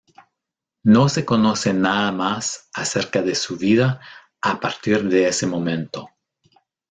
No se conoce nada más acerca de su vida a partir de ese momento.